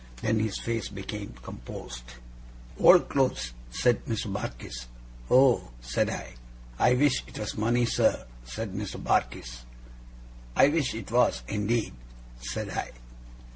Then his face became composed. 'Old clothes,' said Mr. Barkis. 'Oh!' said I. 'I wish it was Money, sir,' said Mr. Barkis. 'I wish it was, indeed,' said I.